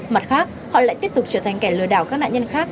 mặt khác họ lại tiếp tục trở thành kẻ lừa đảo các nạn nhân khác